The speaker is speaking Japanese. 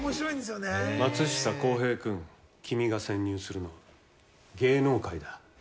松下洸平くん、君が潜入するのは芸能界だ。